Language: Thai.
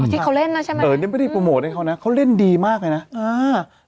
ที่เขาเล่นนะใช่ไหมเออนี่ไม่ได้โปรโมทให้เขานะเขาเล่นดีมากเลยนะอ่า